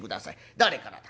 誰からだ？